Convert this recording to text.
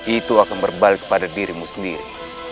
itu akan berbalik pada dirimu sendiri